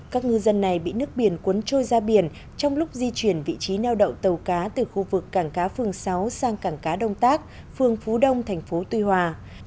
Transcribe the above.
các ngư dân này bị nước biển cuốn trôi ra biển trong lúc di chuyển vị trí neo đậu tàu cá từ khu vực cảng cá phường sáu sang cảng cá đông tác phường phú đông thành phố tuy hòa